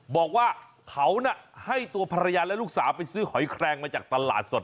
บอกว่าเขาน่ะให้ตัวภรรยาและลูกสาวไปซื้อหอยแครงมาจากตลาดสด